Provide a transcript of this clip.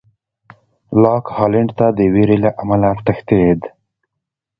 لاک هالېنډ ته د وېرې له امله تښتېد.